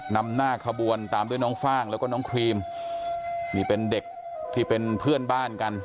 นำหน้าขบวนตามด้วยน้องฟ่างแล้วก็น้องครีมนี่เป็นเด็กที่เป็นเพื่อนบ้านกัน